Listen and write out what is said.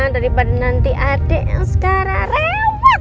daripada nanti adik askara rewet